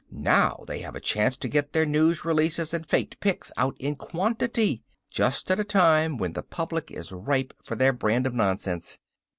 Now they have a chance to get their news releases and faked pix out in quantity. Just at a time when the public is ripe for their brand of nonsense.